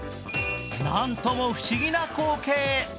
なんとも不思議な光景。